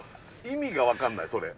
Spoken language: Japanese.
意味がわかんないそれ。